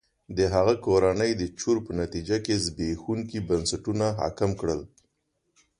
د هغه کورنۍ د چور په نتیجه کې زبېښونکي بنسټونه حاکم کړل.